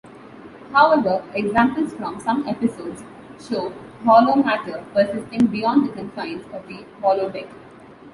However, examples from some episodes show holomatter persisting beyond the confines of the holodeck.